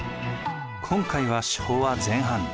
今回は昭和前半。